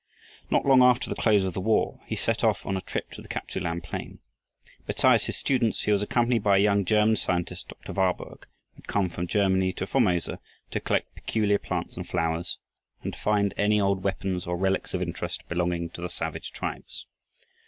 Not long after the close of the war, he set off on a trip to the Kap tsu lan plain. Besides his students, he was accompanied by a young German scientist Dr. Warburg had come from Germany to Formosa to collect peculiar plants and flowers and to find any old weapons or relics of interest belonging to the savage tribes.